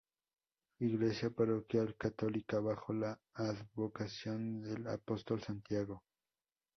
Iglesia parroquial católica bajo la advocación del Apóstol Santiago.